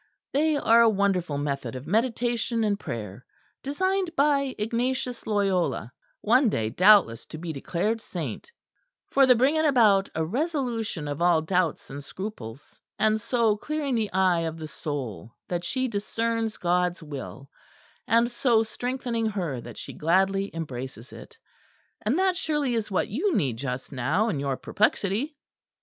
They are a wonderful method of meditation and prayer, designed by Ignatius Loyola (one day doubtless to be declared saint), for the bringing about a resolution of all doubts and scruples, and so clearing the eye of the soul that she discerns God's Will, and so strengthening her that she gladly embraces it. And that surely is what you need just now in your perplexity."